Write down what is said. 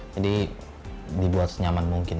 jadi dibuat senyaman mungkin